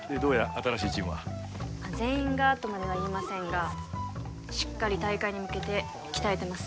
新しいチームは全員がとまでは言いませんがしっかり大会に向けて鍛えてます